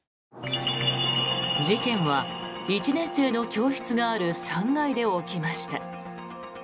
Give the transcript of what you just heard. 事件は１年生の教室がある３階で起きました。